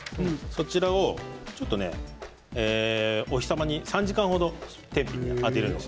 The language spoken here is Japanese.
そちらをちょっとお日様に３時間程天日に当てる。